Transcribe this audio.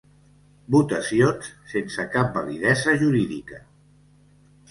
Votacions sense cap validesa jurídica.